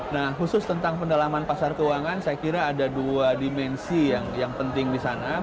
nah khusus tentang pendalaman pasar keuangan saya kira ada dua dimensi yang penting di sana